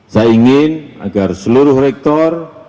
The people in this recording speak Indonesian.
saya ingin agar seluruh rektor